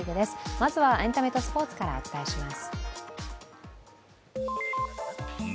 まずはエンタメとスポーツからお伝えします。